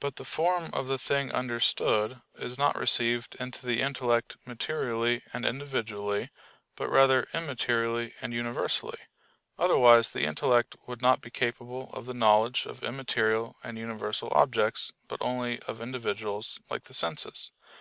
But the form of the thing understood is not received into the intellect materially and individually, but rather immaterially and universally: otherwise the intellect would not be capable of the knowledge of immaterial and universal objects, but only of individuals, like the senses.